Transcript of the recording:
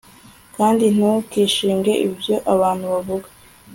kandi ntukishinge ibyo abantu bavuga